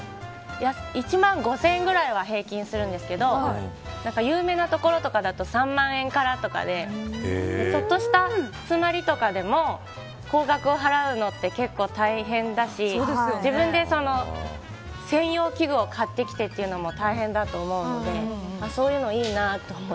１回、１万５０００円ぐらいは平均、するんですけど有名なところとかだと３万円からとかでちょっとした詰まりとかでも高額を払うのって結構大変だし自分で専用器具を買ってきてというのも大変だと思うので定額でね。